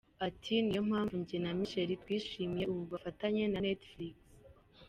Ati “Ni iyo mpamvu njye na Michelle twishimiye ubu bufatanye na Netflix.